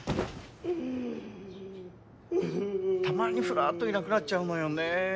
たまにふらーっといなくなっちゃうのよね。